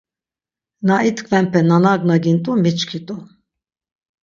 Na itkvenpe na nagnagint̆u miçkit̆u.